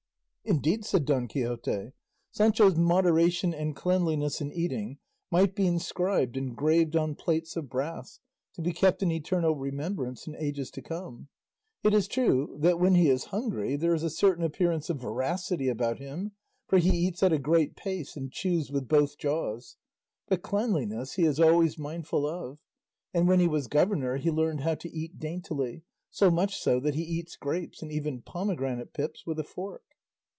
"Indeed," said Don Quixote, "Sancho's moderation and cleanliness in eating might be inscribed and graved on plates of brass, to be kept in eternal remembrance in ages to come. It is true that when he is hungry there is a certain appearance of voracity about him, for he eats at a great pace and chews with both jaws; but cleanliness he is always mindful of; and when he was governor he learned how to eat daintily, so much so that he eats grapes, and even pomegranate pips, with a fork."